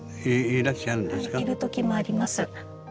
いる時もあります。